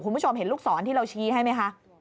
คุณผู้ชมเห็นลูกศรที่เราชี้ให้ไหมคะ